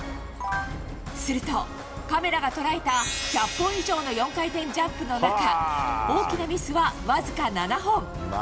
すると、カメラが捉えた１００本以上の４回転ジャンプの中大きなミスはわずか７本。